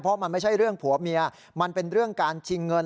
เพราะมันไม่ใช่เรื่องผัวเมียมันเป็นเรื่องการชิงเงิน